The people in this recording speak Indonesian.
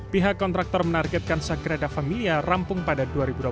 pihak kontraktor menargetkan sagrada familia rampung pada dua ribu dua puluh satu